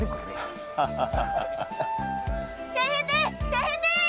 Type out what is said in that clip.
・大変でい！